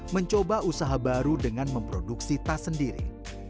mencoba usaha baru dengan memproduksi tas sendiri